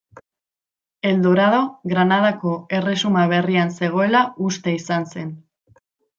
El Dorado Granadako Erresuma Berrian zegoela uste izan zen.